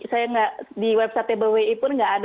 saya nggak di website bwi pun nggak ada